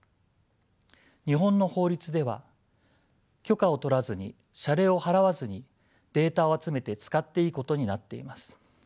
日本の法律では許可を取らずに謝礼を払わずにデータを集めて使っていいことになっています。